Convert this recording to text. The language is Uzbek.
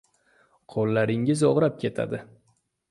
– Qoʻllaringiz ogʻrib ketadi.